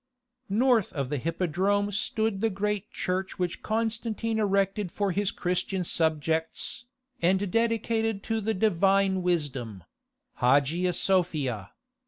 North of the Hippodrome stood the great church which Constantine erected for his Christian subjects, and dedicated to the Divine Wisdom (Hagia Sophia).